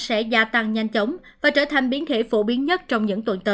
sẽ gia tăng nhanh chóng và trở thành biến thể phổ biến nhất trong những tuần tới